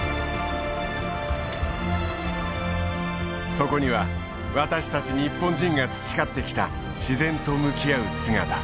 そこには私たち日本人が培ってきた自然と向き合う姿。